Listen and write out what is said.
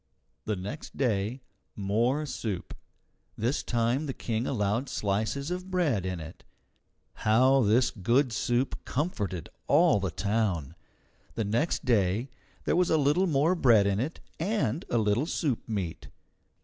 The next day, more soup. This time the King allowed slices of bread in it. How this good soup comforted all the town! The next day there was a little more bread in it and a little soup meat.